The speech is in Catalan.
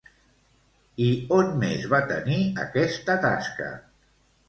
I on més va tenir aquesta tasca?